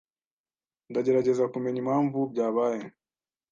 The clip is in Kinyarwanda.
Ndagerageza kumenya impamvu byabaye.